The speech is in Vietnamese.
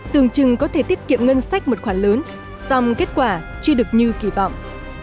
tường trừng có thể tiết kiệm ngân sách một khoản lớn xong kết quả chưa được như kỳ vọng